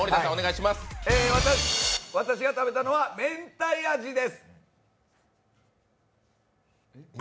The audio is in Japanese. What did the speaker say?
私が食べたのはめんたい味です。